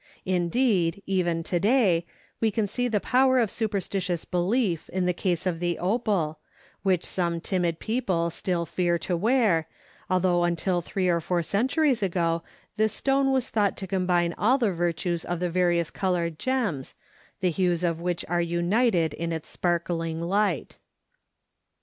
Indeed, even to day, we can see the power of superstitious belief in the case of the opal, which some timid people still fear to wear, although until three or four centuries ago this stone was thought to combine all the virtues of the various colored gems, the hues of which are united in its sparkling light.